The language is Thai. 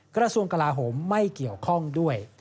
กระทรวงกลาโหมไม่เกี่ยวข้องด้วย